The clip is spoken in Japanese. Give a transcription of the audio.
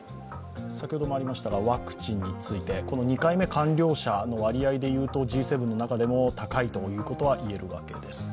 先ほどもありましたが、ワクチンについて、２回目完了者の割合でいうとＧ７の中でも高いということがいえるわけです。